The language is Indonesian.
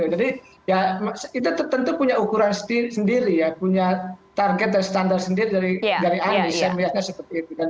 jadi itu tentu punya ukuran sendiri ya punya target dan standar sendiri dari anies yang melihatnya seperti itu